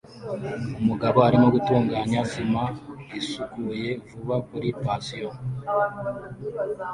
Umugabo arimo gutunganya sima isukuye vuba kuri patio